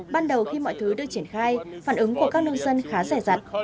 ban đầu khi mọi thứ được triển khai phản ứng của các nông dân khá rẻ rặt